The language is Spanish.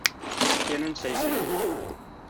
Tienen seis hijos.